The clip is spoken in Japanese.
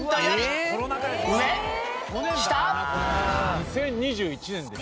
２０２１年でしょ？